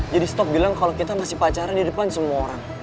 jadi stop bilang kalau kita masih pacaran di depan semua orang